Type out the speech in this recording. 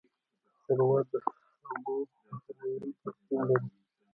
ښوروا د سبو خوشبویه ترکیب لري.